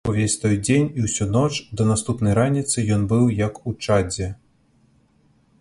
Увесь той дзень і ўсю ноч да наступнай раніцы ён быў як у чадзе.